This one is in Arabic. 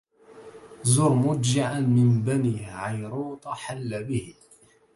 زر مضجعا من بني عيروط حل به